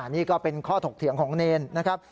นี่ก็เป็นข้อถกเถียงของเนรนะครับ